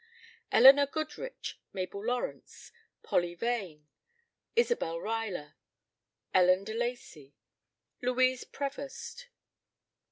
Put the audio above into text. Elinor Goodrich. Mabel Lawrence. Polly Vane. Isabel Ruyler. Ellen de Lacey. Louise Prevost.